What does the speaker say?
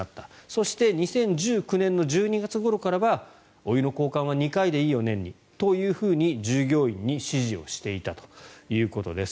そして２０１９年の１２月ごろからはお湯の交換は年に２回でいいよと従業員に指示をしていたということです。